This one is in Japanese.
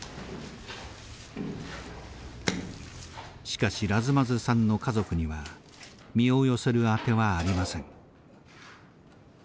しかしラズマゼさんの家族には身を寄せる当てはありません。